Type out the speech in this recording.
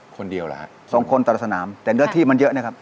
คนเดียวล่ะครับ๒คนตลาดสนามแต่เนื้อที่มันเยอะนะครับ